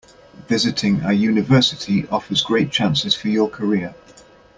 Visiting a university offers great chances for your career.